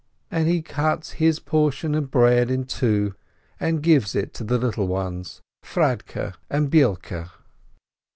And he cuts his portion of bread in two, and gives it to the little ones, Fradke and Beilke.